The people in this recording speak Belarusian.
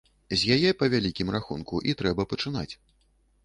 З яе, па вялікім рахунку, і трэба пачынаць.